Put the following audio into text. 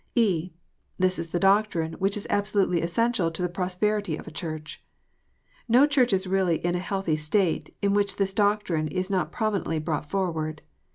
(e) This is the doctrine which is absolutely essential to the prosperity of a CJmrch. No Church is really in a healthy state, in which this doctrine is not prominently brought forward.